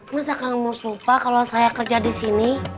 masa kamu lupa kalau saya kerja disini